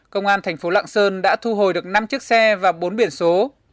công an thành phố lạng sơn đã thu hồi được năm chiếc xe và bốn biển số